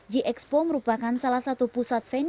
j i expo merupakan salah satu pusat penyelenggaraan